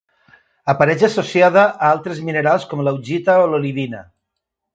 Apareix associada a altres minerals com l'augita o l'olivina.